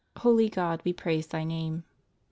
Holy God, We Praise Thy Name (REV.